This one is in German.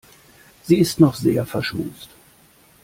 Sie ist noch sehr verschmust.